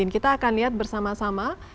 kita akan lihat bersama sama